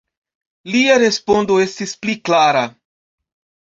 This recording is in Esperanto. Lia respondo estis pli klara.